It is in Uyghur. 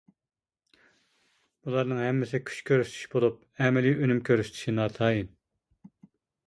بۇلارنىڭ ھەممىسى كۈچ كۆرسىتىش بولۇپ، ئەمەلىي ئۈنۈم كۆرسىتىشى ناتايىن.